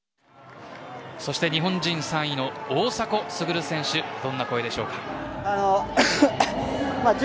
日本人３位の大迫傑選手どんな声でしょうか。